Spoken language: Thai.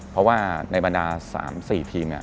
เพราะว่าในบรรดา๓๔ทีม